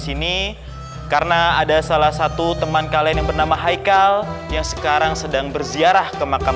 sini karena ada salah satu teman kalian yang bernama haikal yang sekarang sedang berziarah ke makam